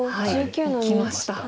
いきました。